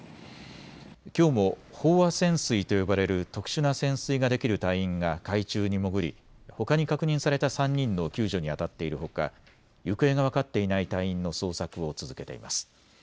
きょうも飽和潜水と呼ばれる特殊な潜水ができる隊員が海中に潜り、ほかに確認された３人の救助にあたっているほか行方が分かっていない隊員の捜索を続けています。